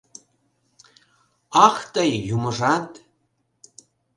Ах тый, юмыжат!